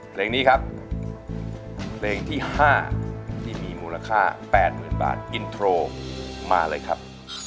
เพลงนี้ครับเพลงที่๕ที่มีมูลค่า๘๐๐๐บาทอินโทรมาเลยครับ